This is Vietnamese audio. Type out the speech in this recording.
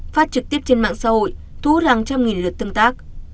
phát trực tiếp trên mạng xã hội thú hàng trăm nghìn lượt tương tác